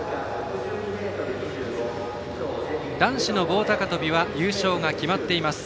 男子の棒高跳びは優勝が決まっています。